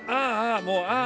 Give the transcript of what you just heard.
もうあーあ！